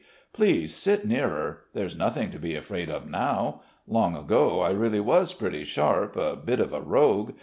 Please sit nearer. There's nothing to be afraid of now.... Long ago, I really was pretty sharp, a bit of a rogue ...